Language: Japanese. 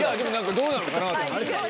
どうなのかなと思って。